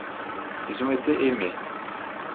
Ils ont été aimés.